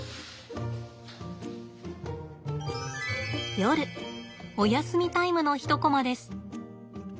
夜おやすみタイムの一コマです。